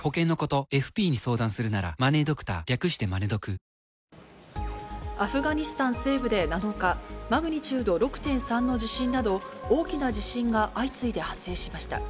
それはもう、アフガニスタン西部で７日、マグニチュード６．３の地震など、大きな地震が相次いで発生しました。